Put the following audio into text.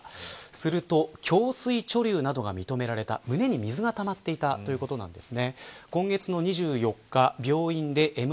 すると胸水貯留などが認められた胸に水がたまっていたということです。